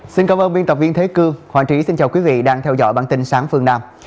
xin cảm ơn biên tập viên thế cư hoàng trí xin chào quý vị đang theo dõi bản tin sáng phương nam